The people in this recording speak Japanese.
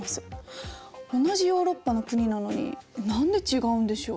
同じヨーロッパの国なのに何で違うんでしょう？